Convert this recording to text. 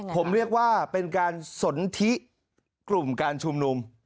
ผมเรียกว่าเป็นการสนทิกลุ่มการชุมนุม